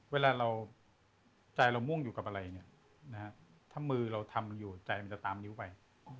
เวลาเราใจเราม่วงอยู่กับอะไรเนี่ยถ้ามือเราทำอยู่ใจมันจะตามนิ้วไป